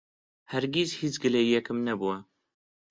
هەرگیز هیچ گلەیییەکم نەبووە.